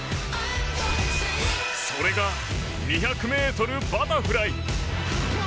それが２００ｍバタフライ。